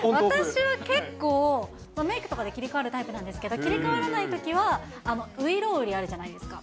私は結構、メークとかで切り替わるタイプなんですけれども、切り替わらないときは、外郎売あるじゃないですか。